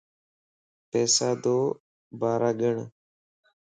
پيسادو بارا گڻ